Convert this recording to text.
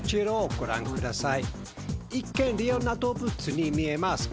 ご覧ください。